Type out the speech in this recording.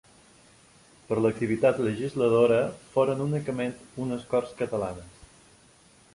Per l'activitat legisladora foren únicament unes Corts Catalanes.